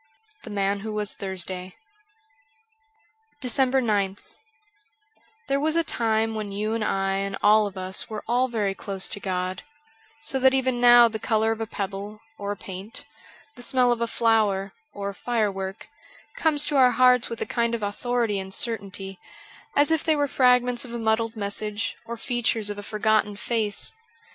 • The Man who was Thursday' 380 DECEMBER 9th THERE was a time when you and I and all of us were all very close to God ; so that even now the colour of a pebble (or a paint), the smell of a flower (or a firework) comes to our hearts with a kind of authority and certainty ; as if they were fragments of a muddled message, or features of a forgotten face.